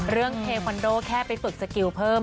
เรื่องเทควันโดแค่ไปฝึกสกิลเพิ่ม